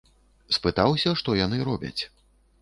Спытаўся, што яны робяць.